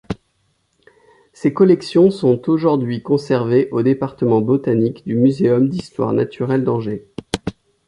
Ses collections sont aujourd'hui conservées au département botanique du Muséum d'histoire naturelle d'Angers.